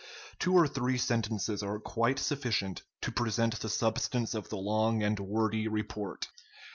Two or three sentences are quite sufficient to present the substance of the long and wordy report.